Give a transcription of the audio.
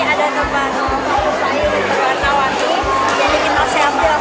jadi kena siapkan langsung banget untuk bikin suara nongkok nongkok yang bagus